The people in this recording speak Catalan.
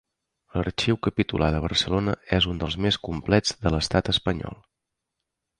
L'arxiu capitular de Barcelona és un dels més complets de l'estat espanyol.